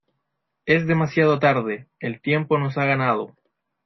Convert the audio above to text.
Es demasiado tarde, el tiempo nos ha ganado.